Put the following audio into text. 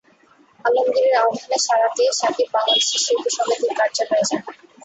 আলমগীরের আহ্বানে সাড়া দিয়ে শাকিব বাংলাদেশ শিল্পী সমিতির কার্যালয়ে যান।